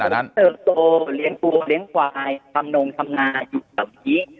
เติบโตเลี้ยงกุ้งเลี้ยงควายทำนงทำนาอยู่แบบนี้